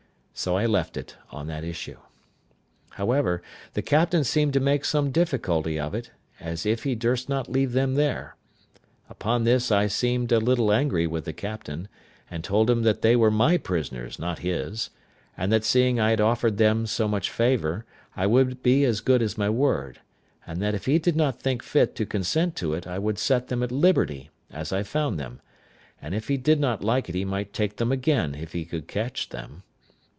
So I left it on that issue. However, the captain seemed to make some difficulty of it, as if he durst not leave them there. Upon this I seemed a little angry with the captain, and told him that they were my prisoners, not his; and that seeing I had offered them so much favour, I would be as good as my word; and that if he did not think fit to consent to it I would set them at liberty, as I found them: and if he did not like it he might take them again if he could catch them.